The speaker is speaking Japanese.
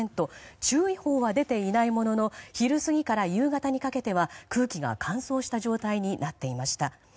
注意報は出ていないものの昼過ぎから、夕方にかけては空気が乾燥した状態になっていました。